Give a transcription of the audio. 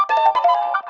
kau mau kemana